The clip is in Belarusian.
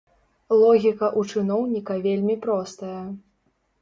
Логіка ў чыноўніка вельмі простая.